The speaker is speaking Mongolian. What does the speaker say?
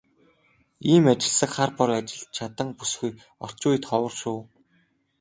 Ийм ажилсаг, хар бор ажилд чаданги бүсгүй орчин үед ховор шүү.